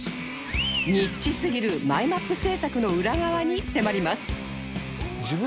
ニッチすぎるマイマップ制作の裏側に迫ります